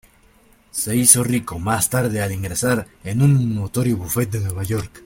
Se hizo rico más tarde al ingresar en un notorio bufete de Nueva York.